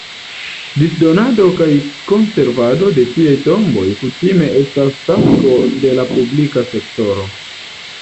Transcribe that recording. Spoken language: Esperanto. Disdonado kaj konservado de tiaj tomboj kutime estas tasko de la publika sektoro.